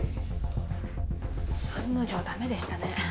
案の定ダメでしたね。